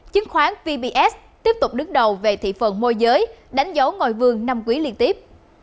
chứng khoán vbs tiếp tục đứng đầu về thị phần môi giới đánh dấu ngôi vườn năm quý liên tiếp